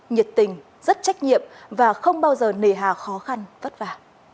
nhiệt tình rất trách nhiệm và không bao giờ nề hà khó khăn vất vả